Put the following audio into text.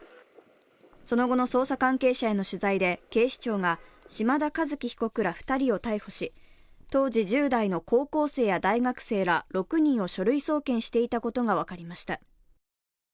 その後の捜査関係者への取材で警視庁が島田和樹被告ら２人を逮捕し、当時１０代の高校生や大学生ら６人を書類送検していたことが分かりました。